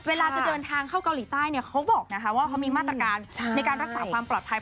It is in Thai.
เวลาจะเดินทางเข้าเกาหลีใต้เนี่ยเขาบอกว่าเขามีมาตรการในการรักษาความปลอดภัย